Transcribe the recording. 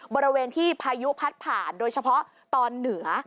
บริเวณที่พายุพัดผ่านโดยเฉพาะตอนเหนือ